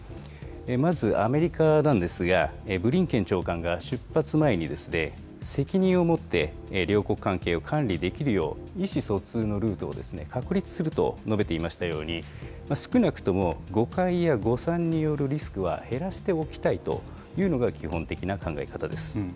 まずアメリカなんですが、ブリンケン長官が出発前に責任を持って、両国関係を管理できるよう、意思疎通のルートを確立すると述べていましたように、少なくとも誤解や誤算によるリスクは減らしておきたいというのが基本的な考え方です。